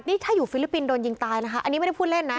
นี่ถ้าอยู่ฟิลิปปินสโดนยิงตายนะคะอันนี้ไม่ได้พูดเล่นนะ